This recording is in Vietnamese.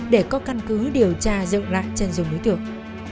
để có căn cứ điều tra dựng lại chân dung đối tượng